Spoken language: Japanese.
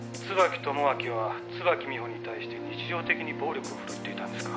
「椿友章は椿美穂に対して日常的に暴力をふるっていたんですか」